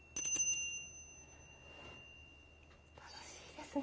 楽しいですね。